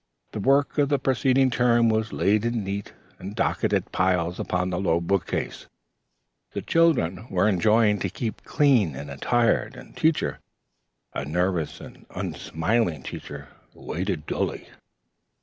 The work of the preceding term was laid in neat and docketed piles upon the low book case. The children were enjoined to keep clean and entire. And Teacher, a nervous and unsmiling Teacher, waited dully.